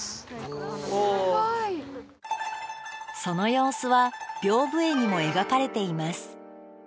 その様子は屏風絵にも描かれています。